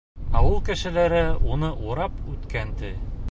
Ауыл кешеләре уны урап үткән, ти.